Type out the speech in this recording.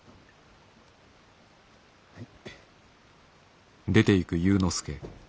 はい。